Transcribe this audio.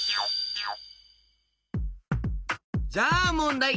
じゃあもんだい！